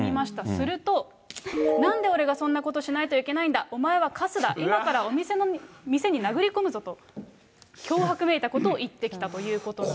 すると、なんで俺がそんなことをしないといけないんだ、お前はかすだ、今からお前の店に殴り込むぞと、脅迫めいたことを言ってきたということです。